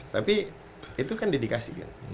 tapi itu kan dedikasi